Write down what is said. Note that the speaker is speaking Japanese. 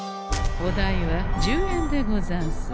お代は１０円でござんす。